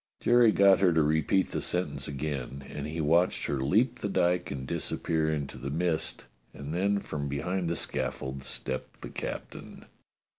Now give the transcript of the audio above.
Jerry got her to repeat the sentence again, and he watched her leap the dyke and disappear into the mist, and then from behind the scaffold stepped the captain.